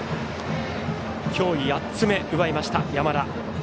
今日、８つ目、奪いました、山田。